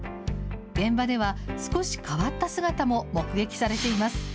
現場では少し変わった姿も目撃されています。